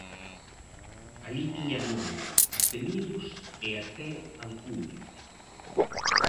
Alí tiña nome, apelidos e até alcume.